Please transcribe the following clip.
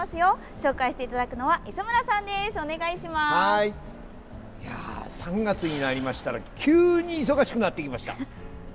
紹介していただくのは３月になりましたら急に忙しくなってきました。